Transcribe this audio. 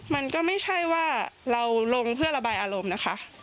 มันก็ไม่ใช่ว่าเราลงเพื่อระบายอารมณ์นะคะ